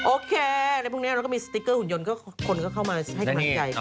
โอเคอะไรพวกนี้เราก็มีสติ๊กเกอร์หุ่นยนต์คนก็เข้ามาให้กำลังใจกัน